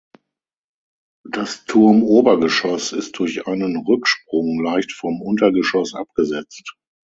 Das Turmobergeschoss ist durch einen Rücksprung leicht vom Untergeschoss abgesetzt.